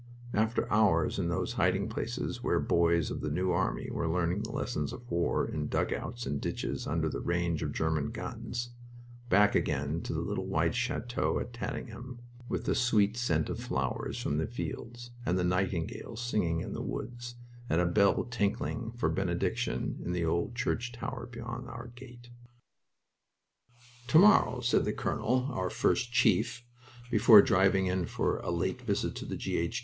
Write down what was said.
After hours in those hiding places where boys of the New Army were learning the lessons of war in dugouts and ditches under the range of German guns, back again to the little white chateau at Tatinghem, with a sweet scent of flowers from the fields, and nightingales singing in the woods and a bell tinkling for Benediction in the old church tower beyond our gate. "To morrow," said the colonel our first chief before driving in for a late visit to G. H.